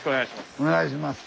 お願いします。